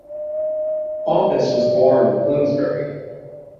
Bompas was born in Bloomsbury.